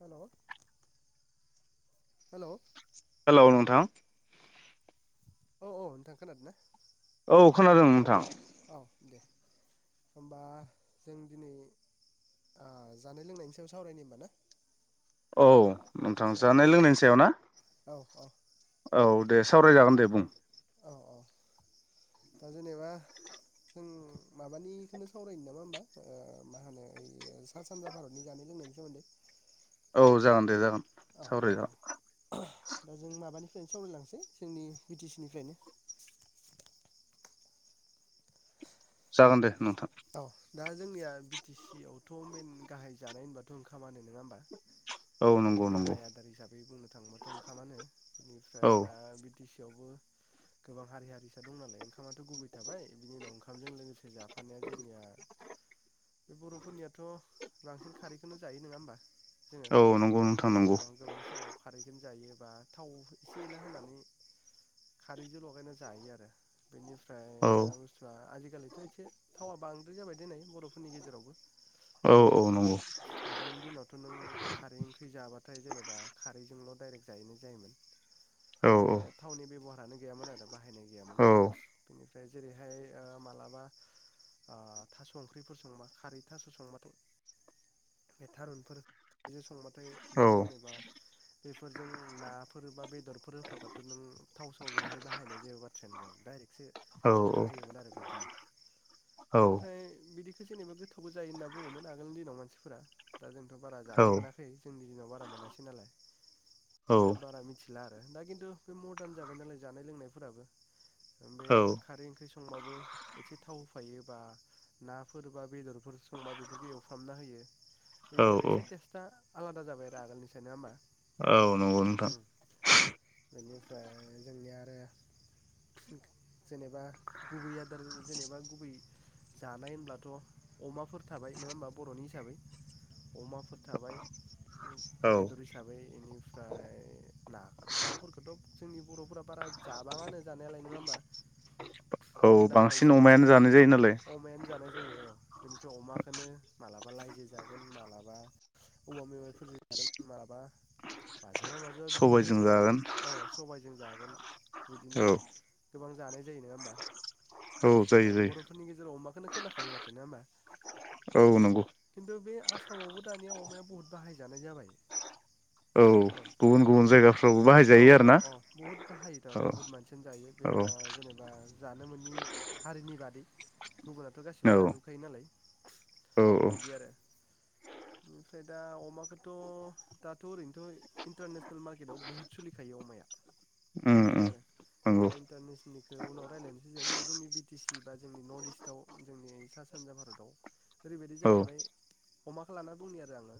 हेल' hello hello नोंथां औ औ नोंथां खोनादोना? औ खोनादों नोंथां। औ दे होनबा जों दिनै ओ जानाय लोंनायनि सायाव सावरायनायनि होनबा ना? औ नोंथां औ जानाय लोंनायनि सायाव ना औ औ औ। दे सावरायजागोन दे बुं। औ औ दा जेनेबा जों माबानिखोनो सावरायनि नामा होमबा मा होनो ओ सा सानजा भारतनि जानाय लोंनायनि सोमोन्दै। औ जागोन दे जागोन। औ औ सावराय औ जागोन। दा जों माबानिफ्रायनो सावरायलांसै जोंनि बि टि सि निफ्रायनो जागोन दे। नोंथां। औ दा जोंनिया बि टि सि आवथ' मेन गाहाय जानाय होनबाथ' ओंखामानो नङा होमबा? औ बे नंगौ नंगौ गाहाय आदार हिसाबै बुंनो थाङोबाथ' ओंखामानो इनिफ्राय औ दा बिटिसि यावबो गोबां हारि हारिसा दं नालाय ओंखामाथ' गुबै थाबाय बिनि उनाव ओंखामजों लोगोसे जाफानाया बे बर'फोरनियाथ' बांसिन खारैखोनो जायो नोङा होमबा? जोङो औ नंगौ नोंथां नंगौ ओं गोबां समाव खारैखोनो जायो। बा थाव एसे एला होनानै खारैजों लगायनानै जायो आरो। बेनिफ्राय औ दा बुस्थुआ खालिथ' एसे थावा बांद्राय जाबाय देनाय बर'फोरनि गेजेरावबो। औ बिदि औ नंगौ आगोलनि दिनावथ' नों खारै ओंख्रि जाबाथाय जेनेबा खारैजोंल' डाइरेक्ट जायैनाय जायोमोन। औ बे थावनि बेब'हार लानो गैयामोन आरो। बाहायनाय गैयामोन औ बेनि ओमफ्राय जेरैहाय ओ मालाबा अ थास' ओंख्रिफोर संबा खारै थास' संबाथाय बे थारुनफोर खारैजों संबा नाथाय बे औ जेनेबा बेफोरजों नाफोर बा बेदरफोर होफाबाथ' नों थाव साव बेहाय बाहायनाय जेबो बाथ्रायानो गैयामोन डाइरेक्सो औ होना होयोमोन आरो बिदिनो। औ ओमफ्राय बिदिखौ जेनेबा गोथावबो जायो होनना बुङोमोन आगोलनि दिनाव मानसिफोरा दा जोंथ' बारा जानो मोनाखै जोंनि दिनाव बारा मोनासै नालाय दा बारा मिथिला आरो दा खिन्थु बे मर्दान जाबाय नालाय जानाय लोंनायफोराबो बे औ खारै ओंख्रि संबाबो एसे थाव होफायोबा नाफोर बा बेदरफोर संबा बेफोरखौ एवफ्रामना होयो बिदि आरो एसे टेस्टआ आलादा जाबाय आरो आगोलनिफ्राय नङा होमबा औ नंगौ नोंथां उम बेनिफ्राय जोंनिया आरो जेनेबा गुबै आदार जेनेबा गुबै जानाय होनब्लाथ' अमाफोर थाबाय नङा होमबा बर'नि हिसाबै अमाफोर थाबाय औ बेदर हिसाबै इनिफ्राय ना दाउफोरखौथ' जोंनि बर'फोरा बारा जाबाङानो जानायालाय नङा होमबा? मुंदांखा बांसिन हिसाबै अमायानो जा जायो नालाय। अमायानो जानाय जायो औ बेनिफ्राय अमाखौनो मालाबा लाइजो जागोन मालाबा औवा मेवाइफोरजों जागोन मालाबा माजोंबा माजोंबा बिदिनोथ' सबायजों गोबां जागोन औ सबायजों जा गोन। बिदिनो औ गोबां जानाय जायो नङा होमबा? औ जायो जायो बर'फोरनि गेजेराव अमा खौनो खोनाखायो माथो नङा होमबा? औ नंगौ। खिन्थु बे आसामावबो दानिया अमाया बुहुद बाहायजानाय जाबाय। औ गुबुन गुबुन जे जायगाफ्रावबो औ बाहायजायो आरो औ ना औ बहुद बाहायो थारमाने औ बुहुत मानसियानो जायो बे औ ओ जेनेबा जानो मोनि हारिनि बादै गुबुनाथ' गासिबो औ जाजोबखायो नालाय औ बिदि आरो बेनिफ्राय दा अमाखौथ' दाथ' ओरैनोथ' इन्टारनेसनेल मारकेटआव बहुत सोलिखायो अमाया उम बिदि उम आरो दा नंगौ इन्टारनेसनेलनिखौ उनाव रायज्लायनोसै जों दा जोंनि बि टि सि बा जोंनि नर्थ इस्टव जोंनि सा सानजा भारताव ओरैबायदि औ जाहैबाय अमाखौ लाना बुंनि आरो आङो।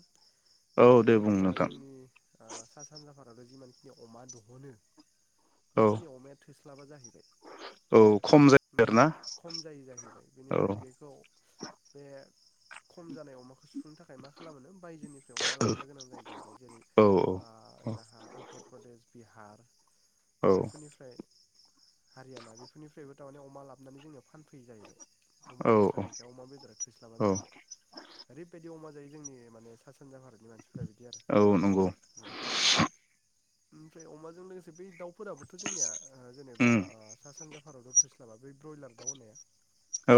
औ बे दे बुं जेनेबा नोंथां जोंनि ओ सा सानजा भारत आव जिमानखिनि अमा दहनो औ बेखिनि अमाया थोस्लाबा जाहैबाय। औ खम जा माने खम जायो जाहै बाय। बेनिफ्राय बेखौ बे खम जानाय अमाखौ सुफुंनो थाखाय मा खालामो बायजोनिफ्राय अमा लाबोनो गोनां जायो जाहैबाय जेरै औ ओ जोहा उतर प्रदेश, बिहार औ बेफोरनिफ्राय हारियाना बेफोरनिफ्रायबो थारमाने अ अमा लाबनानै जोंनियाव फानफैयो जाहैबाय अमा औ थोस्लाबैखाय अमा बेदरा थोस्लाबा औ जाहैबाय। ओरैबायदि अमा जायो जोंनि माने सा सानजा भारतनि मानसिफोरा बिदि आरो। औ नंगौ उम ओमफ्राय अमाजों लोगोसे बै दाउफोराबोथ' जोंनिया ओ जेनेबा उम ओ सा सानजा भारताव थो स्लाबा। बै ब्रयलार दाउ होननाया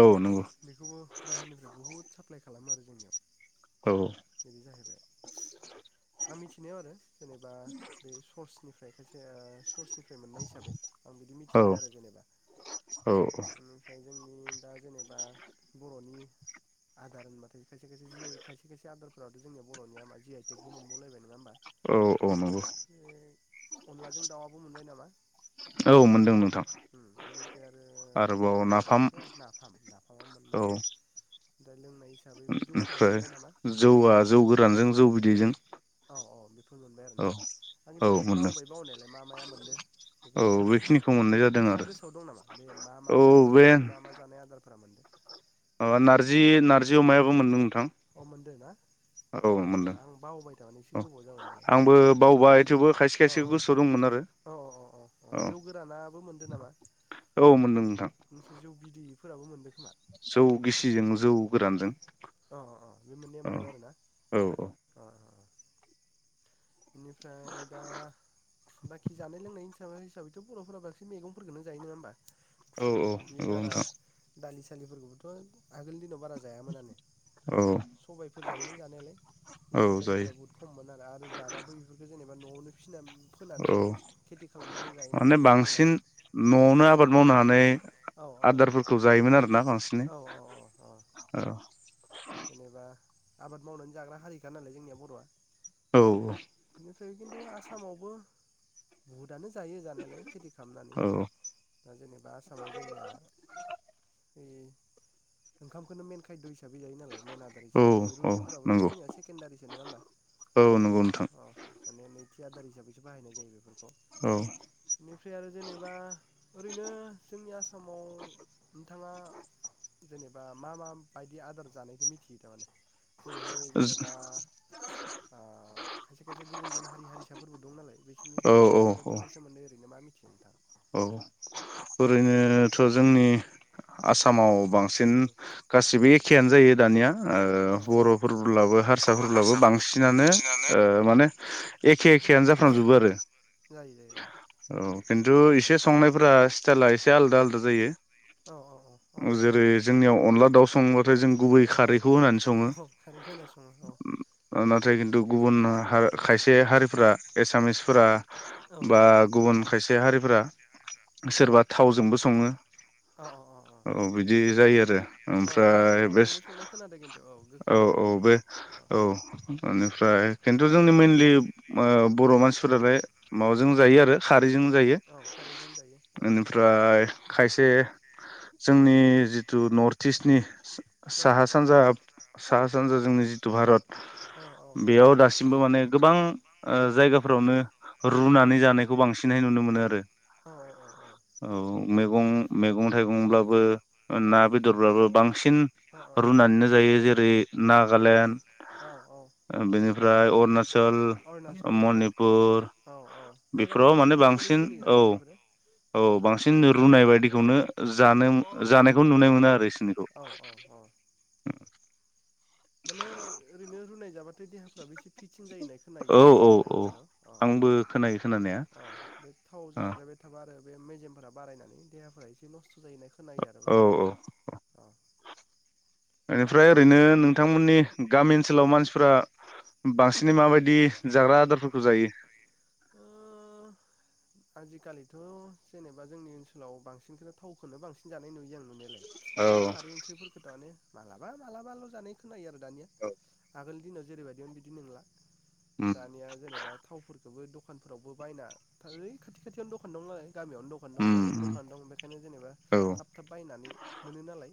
औ नंगौ बेखौबो बाहेरनिफ्राय बुहुद साप्लाय खालामो आरो जोंनियाव औ बिदि जाहैबाय। आं मिथिनायाव आरो जेनेबा बे सर्सनिफ्राय खायसे ओ सर्सनिफ्राय मोननाय हिसाबै आं बिदि औ मिथिदों आरो जेनेबा। बेनिफ्राय जोंनि दा जेनेबा बर'नि आदार होनबाथाय खायसे खायसे जि आइ खायसे खायसे आदारफोराथ' जोंनिया बर'निया मा जि आइ टेकबो मोनबावलायबाय नङा होमबा? औ औ नंगौ अनलाजों दाउआबो मोनबाय नामा? औ मोनदों नोंथां उम बिनिफ्राय आरो नाफाम, फाम नाफामा औ मोनबाय। दा लोंनाय हिसाबै बे जौफोराबो मोनबाय नामा? जौवआ जौ गोरानजों जौ बिदैजों। औ औ बेफोर मोनबाय आरो औ ना? आं औ खिन्थु मोनदों बावबाय बावनायालाय मा माया मोनदों औ बेफोरखौ बेखिनिखौ मोननाय जादों आरो नोंथाङा गोसोआव दं नामा? बे मा मा औ जानाय बे बर'नि मा मा जानाय आदार फोरा मोनदों? अ नारजि नारजि अमायाबो मोनदों नोंथां अ मोनदों ना? औ अ मोनदों आं बावबाय थारमाने एसे औ गोबाव जाबाय नालाय। आंबो अ बावबाय थेवबो खायसे अ अ अ खायसे गोसोआव दंमोन आरो अ अ अ अ जौ गोरानाबो मोनदों नामा? औ मोनदों नोंथां ओमफ्राय जौ बिदै फोराबो मोनदों खोमा? जौ गिसिजों जौ गोरानजों अ अ अ बे मोननैया औ मोनदो आरोना औ अ अ अ इनिफ्राय दा बाकि जानाय लोंनायनि हिसाबै हिसाबैथ' बर'फोरा बांसिन मैगंफोरखौनो जायो नङा होमबा औ औ औ नोंथां दालिफोरखौबोथ' आगोलनि दिनाव बारा जायामोननानो औ सबायफोर जायोमोन जानायालाय मुसुर औ जायो दालिफोरा बहुत खममोन आरो जाबाबो इफोरखौ जेने एबा न'आवनो फिसिनान औ माने आबाद बांसिन मावनानै न'आवनो आबाद मावनानै औ आदारफोरखौ जायोमोन आरोना बांसिनै औ औ औ औ जेनेबा आबाद मावनानै जाग्रा हारिखा नालाय जोंनिया बर'आ औ बेनिफ्राय खिन्थु आसामावबो बहुत दानो जायो जानायलाय खेति खालामनानै औ दा जेनेबा आसामाव जोंनिया बे ओंखामखौनो मेन खायद' हिसाबै जायो मेन आदार औ हिसाबै जायो औ रुटिफोराबोथ' नंगौ जोंनिया सेकेण्डारिसो नङा होमबा औ नंगौ नोंथां अ माने नै आदार हिसाबैसो बाहायनाय जायो बेफोरखौ औ बेनिफ्राय आरो जेनेबा ओरैनो जोंनि आस समाव नोंथाङा जेनेबा मा मा बायदि आदार जानाय मोथियो दा माने जेरैहाय जेनेबा ओ खायसे खायसे गुबुन गुबुन हारि हारिसाफोरबो दं नालाय बिसोरनि औ औ जानाय आदारफोर सोमोन्दै ओरैनो मा मिथि औ ओरैनोथ' जोंनि आसामाव बांसिन गासिबो ए खेयानो जायो। दानिया ओ औ बर'फोरब्लाबो हारसाफोरब्लाबो बांसिनानो ओ औ माने एखे एखेयानो जाफ्रांजोबो आरो जायो जायो औ औ। खिनतु एसे संनायफोरा स्टाइला एसे आलादा आलादा जायो। औ औ जेरै जोंनियाव अनला दाउ संबोथाय जों गुबै औ खारैखौ होनानै सङो। औ खारैखौ होना सङो औ ना थाय खिन्थु गुबुन हार खाय से हारिफोरा एसामिसफोरा औ बा गुबुन खायसे हारिफोरा औ सोरबा थावजोंबो सङो औ औ औ बिदि जायो आ रो। औ अनलाखौ ओमफ्राय बे थावजोंबो संनाय खोनादो खिन्थु गोखै औ औ होनानै बे औ ओनिफ्राय खिन्थु जोंनि मेनलि बर' मानसिफोरालाय माबाजों जायो आरो खारैजों जायो। औ खारैजों जायो औ ओनफ्राय खायसे जोंनि जिथु नर्थ इस्टनि औ साहा-सानजा औ साहा-सानजा जोंनि जिथु भारत औ बेयाव दासिमबो माने गोबां जायगाफोरावनो औ रुनानै जानायखौ बांसिनहाय नुनो मो नो आरो औ औ औ। मैगं मैगं थाइगंब्लाबो ना बेदरब्लाबो बांसिन रुनानैनो जायो। जेरै ना गालण्ड औ औ ओफ्राय अरुणा अरुणाचल औ औ औ बेफोराव मेघालयफोरावबो माने एसे एनै बांसिन सोलियो औ नामा बेफोरो औ बांसिन रुनाय बायदिखौनो जानोम जानायखौ नुनो मोनो आरो इसि औ औ औ माने ओरैनो रुनाय जाबाथाय देहाफ्राबो एसे फिथिं जायो होनाय खोनायो आं औ औ खोनानायालाय बाथाखौ औ आंबो खोनायो खोनानाया औ बे थाव ओ जाद्रायबाय थाबा आरो बे मेजेमफोरा बारायनानै देहाफोरा एसे नस [inaudible] औ औ ओनिफ्राय ओरैनो नोंथांमोननि गामि सोलाव मानसिफोरा बांसिनै माबायदि जाग्रा आदारफोरखौ जायो? ओ आजिखालिथ' जेनेबा जोंनि ओनसोलाव बांसिनखौ थावखौनो बांसिन जानाय नुयो आं नुनायलाय औ खिनथु खारै ओंख्रिफोरखौ दानि मालाबा मालाबाल' जानाय खोनायो आरो। दानिया आगोलनि दि जेरैबायदि मीन बिदि नंला। उम दानिया जेनेबा थावफोर बेखौबो दखानफोरावबो बायनाथाय खाथि खाथियावनो दखान दं नालाय। गामियावनो दखान दं न'आवनो उम दखान दं बेखायनो जेनेबा औ थाब-थाब बायनानै मोनो नालाय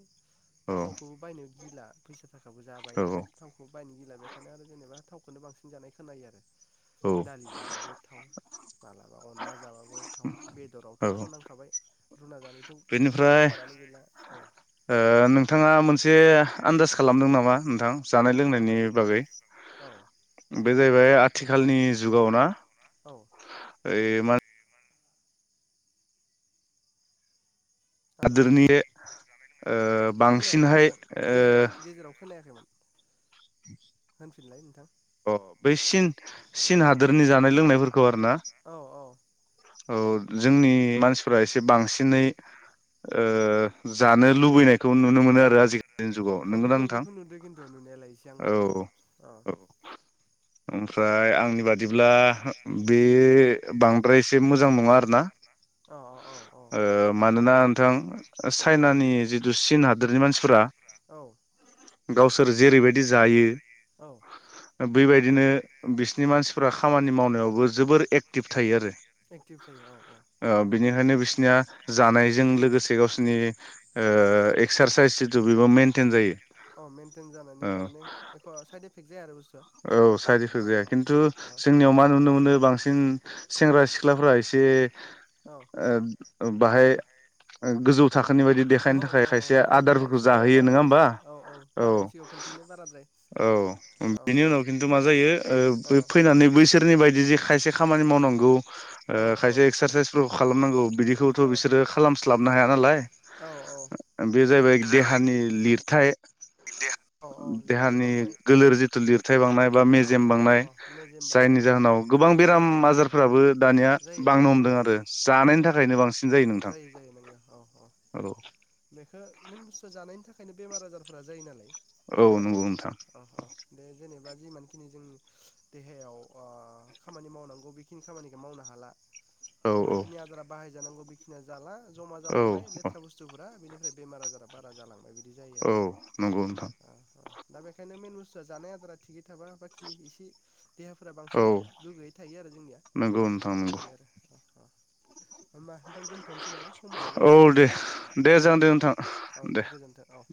औ थावखौबो बायनो गिला फैस थासखौबो जाबाय औ थावखौबो बायनो गैला बेखायनो आरो जेनेबा थाव बेखौनो बांसिन जानाय खोनायो आरो। औ दालि जाबाबो थाव माबलाबाबो अनला। जाबाबो थाव। बेदरावथ' औ थाव नांखाबाय। रुना जानायथ' गैला बेनिफ्राय कारबारानो गैला औ ओ नोंथाङा मोनसे आन्दास खालामदों नामा? नोंथां औ जानाय लोंनायनि माबायदिबा बागै औ बे जाहैबाय आथिखालनि जुगाव ना। औ [unintelligible] हेल' हादोरनि ओ खोनायाखै बांसिनहाय नोंथां ओ गेजेराव गेजेराव खोनायाखैमोन होनफिनलाय नोंथां। अ बै सिन सिन औ हादोरनि जानाय लोंनायफोरखौ आरोना औ औ औ। जोंनि मानसिफोरा एसे बांसिनै ओ जानो लुबैनायखौ नुनो मोनो आरो आजि अ बेखौ बेखौ नुदो खिन्थु नुनायालाय एसे आंबो औ औ। ओमफ्राय आंनि बादिब्ला बे बांद्रायसे मोजां नङा आरोना। औ औ ओ मानोना नोंथां। औ चाइनानि जिथु चिन हादोर हादोरनि मानसिफोरा औ। गावसोर जेरैबायदि जायो औ। बेबायदिनो बिसिनि मानसिफ्रा खामानि मावनायावबो जोबोर एक्टिभ थायो आरो। एक्टिभ थायो औ औ। बिसिनाया जानायजों लोगोसे गावसोरनि ओ एक्सारसाइस जितु बेबो मेनटेन जायो। अ मेेनटेन जानानै औ तामाने एख साइद एफेक्ट जाया आरो बस्थुआ। औ साइड एफेक जाया खिन्थु जोंनियाव मा नुनो मोनो बांसिन उम सेंग्रा सिख्लाफ्रा एसे औ ओ औ बाहाय गोजौ थाखोनि बायदि औ देखायनो थाखाय औ औ खायसे देखायनो थाखाय आदारफोरखौ स'आव जाहोयो बारो नङा होमबा बुस्थुआ औ औ मालायनि सिगाङाव खोन्थिनो बाराद्राय औ। औ बेनि उनाव खिन्थु मा जायो ओ फैनानै बैसोरनि बायदि जे खायसे खामानि मावनांगौ औ खायसे ओ एक्सारसाइसफोरखौ खालामनांगौ बिदिखौथ' औ बिसोरो खालाम ख्लाबनो हाया नालाय। औ औ बे जाहैबाय देहानि लिर थाय औ लिरथाय देहानि बांबाय गोलोर जिथ लिरथे बांनाय बा औ मेजेम औ बांनाय औ मेजेम जायनि बांनाय जाउनाव गोबां बेराम आजार आजारफोराबो दानिया जायो बांनो जायो हमदों नंगौ आरो नंगौ जानायनि थाखायनो बांसिन नोंथां जायो जायो नंगौ औ औ औ बेखौ मेन बुस्थु जानायनि थाखाय। बेओंखायनो बेमार आजारफोरा जायो नालाय। औ बिदि आरो नंगौ नोंथां अ-अ दे जेनेबा नि जों देहायाव खामानि मावनांगौ ओ बेखिनि खामानि। मावनो हाला। औ जिमान खिनि आदारा बाहायजानांगौ बेखिनिया जाला। जमा औ जालांबाय लेथ्रा बुस्थुफोरा बेनिफ्राय। बेमार आजार बारा जालांबाय बिदि। बिदि जायो औ आरो नंगौ नोंथां दा बेखायनो मेनु जानाय आदारा थिगैनो थाबा बाखि एसे देहाफोरा बांसिन गोग्गोयै थायो आरो जोंनिया। औ नोंथां नंगौ। बिदि आरो अ अ होमबा नोंथां दोन्थ'नोसै नामा समायाबो जाबाय जोंनिया दे जागोन दे नोंथां औ दे गोजोन्थों औ।